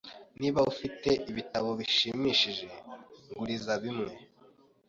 Niba ufite ibitabo bishimishije, nguriza bimwe.